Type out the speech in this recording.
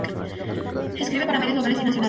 Escribe para medios locales y nacionales.